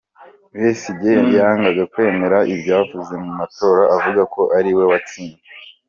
Besigye yangaga kwemera ibyavuye mu matora avuga ko ari we watsinze.